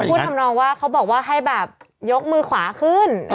พูดทำนองว่าเขาบอกว่าให้แบบยกมือขวาขึ้น